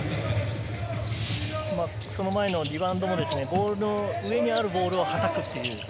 その前のリバウンドもゴールの上にあるボールをはたく。